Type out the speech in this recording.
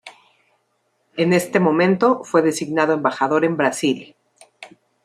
En este momento fue designado embajador en Brasil.